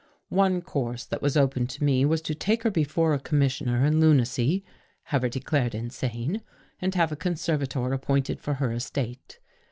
One course that was open to me was to take her before a commissioner in lunacy, have her declared insane and have a conservator ap pointed for her estate.